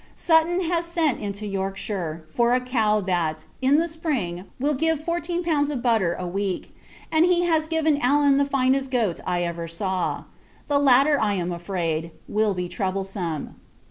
Sutton has sent into Yorkshire, for a cow that, in the spring, will give fourteen pounds of butter a week; and, he has given Allen the finest goat I ever saw. The latter, I am afraid, will be troublesome.